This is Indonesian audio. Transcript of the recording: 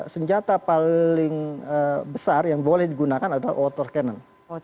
senjata paling besar yang boleh digunakan adalah water cannon